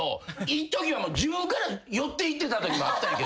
いっときは自分から寄っていってたときもあったんやけど。